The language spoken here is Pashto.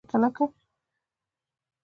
ورته کښې یې ښوده ژر یوه تلکه